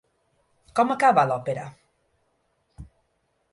Com acaba l'òpera?